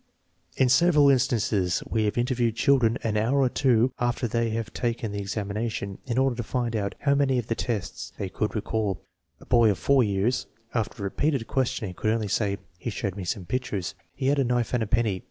In several instances we have interviewed children an hour or two after they had taken the examination, in order to find out how many of the tests they could recall. A boy of 4 years, after repeated questioning, could only say: " He showed me some pictures. He had a knife and a penny.